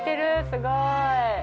すごーい。